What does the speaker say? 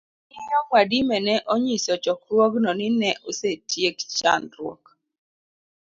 Miyo Mwadime ne onyiso chokruogno ni ne osetiek chandruok